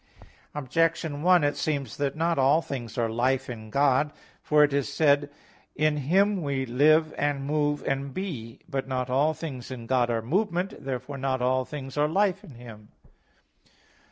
Objection 1: It seems that not all things are life in God. For it is said (Acts 17:28), "In Him we live, and move, and be." But not all things in God are movement. Therefore not all things are life in Him.